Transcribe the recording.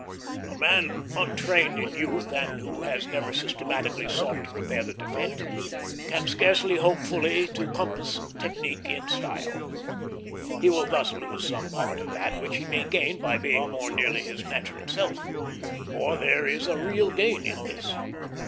A man untrained in youth, and who has never systematically sought to repair the defect, can scarcely hope fully to compass technique in style. He will thus lose some part of that which he may gain by being more nearly his natural self; for there is a real gain in this.